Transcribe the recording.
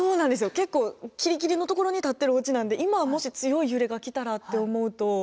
結構キリキリのところに立ってるおうちなんで今もし強い揺れが来たらって思うと。